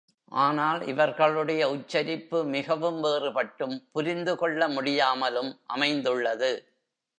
ஆனால் இவர்களுடைய உச்சரிப்பு மிகவும் வேறுபட்டும், புரிந்துகொள்ள முடியாமலும் அமைந்துள்ளது.